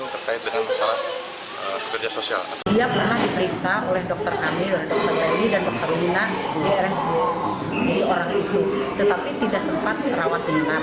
tetapi tidak sempat rawat lina